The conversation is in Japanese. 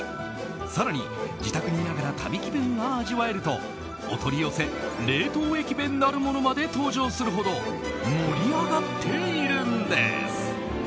更に、自宅にいながら旅気分が味わえるとお取り寄せ冷凍駅弁なるものまで登場するほど盛り上がっているんです。